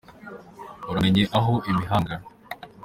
Uramenye aho imahanga